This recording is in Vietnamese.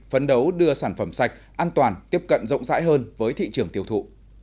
phấn đấu đưa sản phẩm sạch an toàn tiếp cận rộng rãi hơn với thị trường tiêu thụ